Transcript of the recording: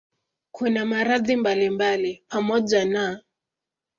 Kuna maradhi mbalimbali pamoja na